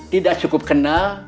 tidak cukup kenal